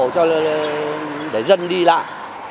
để dân đi lại